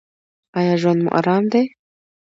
ایا ژوند مو ارام دی؟